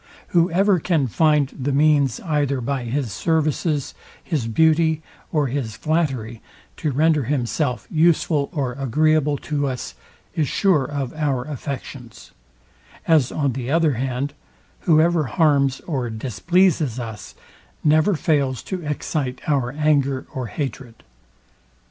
Whoever can find the means either by his services, his beauty, or his flattery, to render himself useful or agreeable to us, is sure of our affections: As on the other hand, whoever harms or displeases us never fails to excite our anger or hatred.